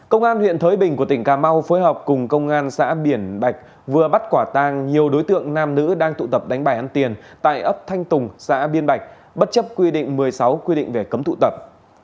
công an huyện thới bình của tỉnh cà mau phối hợp cùng công an xã biển bạch vừa bắt quả tang nhiều đối tượng nam nữ đang tụ tập đánh bài ăn tiền tại ấp thanh tùng xã biên bạch bất chấp quy định một mươi sáu quy định về cấm tụ tập